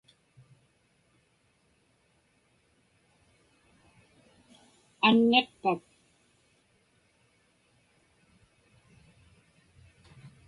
Anniqpak?